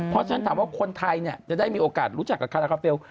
เพราะฉันถามว่าคนไทยจะได้มีโอกาสรู้จักกับคาราคาเฟล